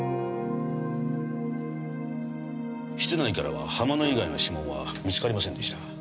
室内からは浜野以外の指紋は見つかりませんでした。